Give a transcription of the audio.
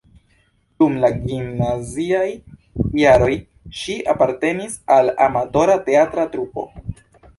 Dum la gimnaziaj jaroj ŝi apartenis al amatora teatra trupo.